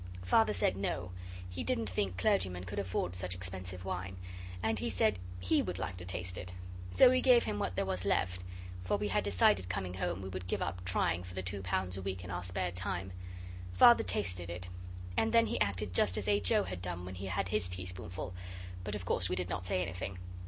Father said no, he didn't think clergymen could afford such expensive wine; and he said he would like to taste it. So we gave him what there was left, for we had decided coming home that we would give up trying for the two pounds a week in our spare time. Father tasted it, and then he acted just as H. O. had done when he had his teaspoonful, but of course we did not say anything.